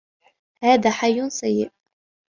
هذا حي سيء.